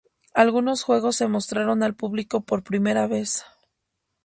Algunos juegos se mostraron al público por primera vez.